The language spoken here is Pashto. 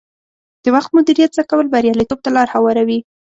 د وخت مدیریت زده کول بریالیتوب ته لار هواروي.